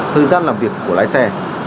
thời gian làm việc của lái xe